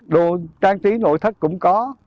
đồ trang trí nội thất cũng có